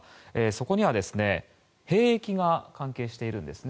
そこには兵役が関係しているんです。